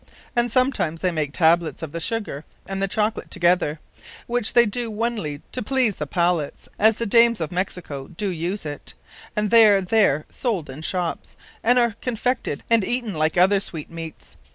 And sometimes they make Tablets of the Sugar, and the Chocolate together: which they doe onely to please the Pallats, as the Dames of Mexico doe use it; and they are there sold in shops, and are confected and eaten like other sweet meats.